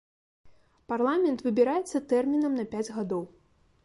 Парламент выбіраецца тэрмінам на пяць гадоў.